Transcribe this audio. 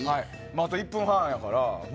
あと１分半やから。